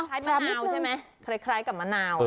มะนาวใช่ไหมคล้ายกับมะนาว